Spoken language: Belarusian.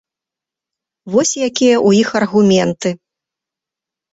Вось якія ў іх аргументы.